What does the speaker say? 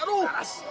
aduh apa asal ini